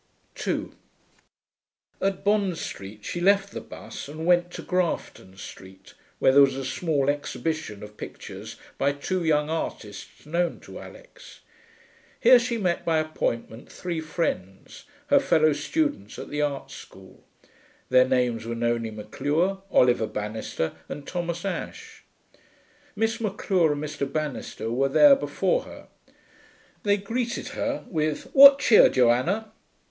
2 At Bond Street she left the bus and went to Grafton Street, where there was a small exhibition of pictures by two young artists known to Alix. Here she met by appointment three friends, her fellow students at the art school. Their names were Nonie Maclure, Oliver Banister, and Thomas Ashe. Miss Maclure and Mr. Banister were there before her. They greeted her with 'What cheer, Joanna?'